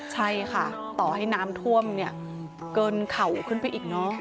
ใช่ค่ะต่อให้น้ำท่วมเนี่ยเกินเข่าขึ้นไปอีกเนอะ